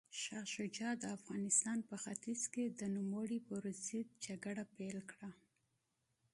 شاه شجاع د افغانستان په ختیځ کې د نوموړي پر ضد جګړه پیل کړه.